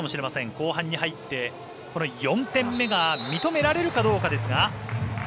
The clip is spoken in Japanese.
後半に入って、４点目が認められるかどうかですが。